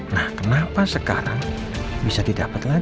nah kenapa sekarang bisa didapat lagi